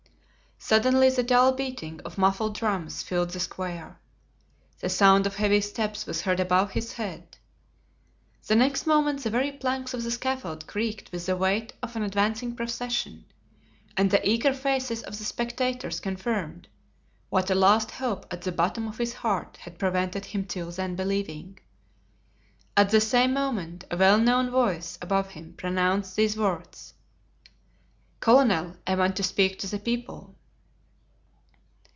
Suddenly the dull beating of muffled drums filled the square. The sound of heavy steps was heard above his head. The next moment the very planks of the scaffold creaked with the weight of an advancing procession, and the eager faces of the spectators confirmed what a last hope at the bottom of his heart had prevented him till then believing. At the same moment a well known voice above him pronounced these words: "Colonel, I want to speak to the people."